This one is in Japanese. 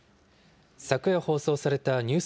昨夜放送されたニュース